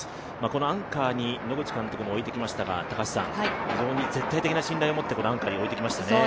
このアンカーに野口監督も置いてきましたが、非常に絶対的信頼を持ってアンカーに置いてきましたね。